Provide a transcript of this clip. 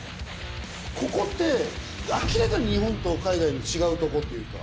ここって明らかに日本と海外の違うとこっていうか。